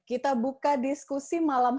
kota basel to mendatangi